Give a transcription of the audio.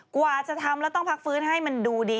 กว่าจะทำแล้วต้องพักฟื้นให้มันดูดี